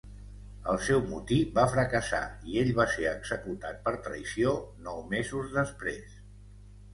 El seu motí va fracassar i ell va ser executat per traïció nou mesos després.